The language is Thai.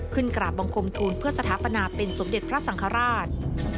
กราบบังคมทูลเพื่อสถาปนาเป็นสมเด็จพระสังฆราช